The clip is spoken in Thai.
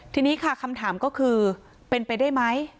ทีนี้ค่ะคำถามก็คือเป็นไปได้ไหม